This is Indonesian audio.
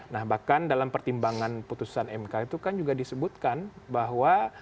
nah bahkan dalam pertimbangan putusan mk itu kan juga disebutkan bahwa